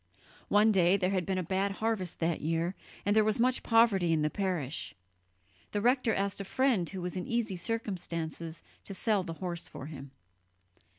One day there had been a bad harvest that year, and there was much poverty in the parish the rector asked a friend who was in easy circumstances to sell the horse for him.